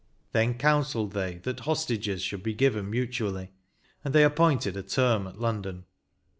Then counselled they that hostages should be given mutually; and they appointed a term at London."